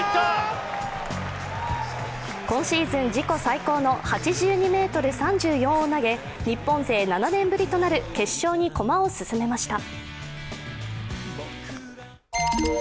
今シーズン自己最高の８２ｍ３４を投げ日本勢７年ぶりとなる決勝に駒を進めました。